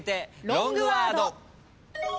ロングワード。